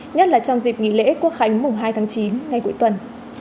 nhất là trong dịp nghỉ lễ quốc khánh mùng hai tháng chín ngay cuối tuần